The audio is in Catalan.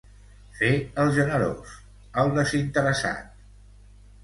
Fer el generós, el desinteressat.